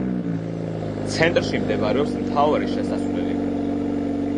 ცენტრში მდებარეობს მთავარი შესასვლელი.